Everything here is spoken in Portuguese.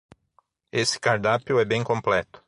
Esse cardápio é bem completo